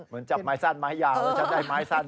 จับไม้สั้นไม้ยาวแล้วจับได้ไม้สั้น